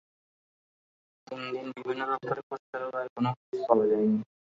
তিন দিন বিভিন্ন দপ্তরে খোঁজ করেও তাঁর কোনো হদিস পাওয়া যায়নি।